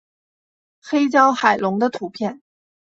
黑胶海龙的图片